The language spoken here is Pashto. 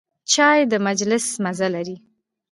چای د مجلس مزه لري.